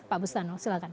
pak bustanul silahkan